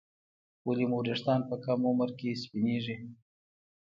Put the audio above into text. ولې مو ویښتان په کم عمر کې سپینېږي